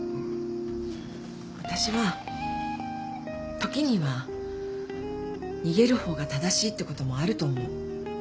私は時には逃げる方が正しいってこともあると思う。